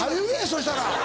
そしたら。